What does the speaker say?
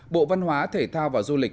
bộ văn hóa thể thao và du lịch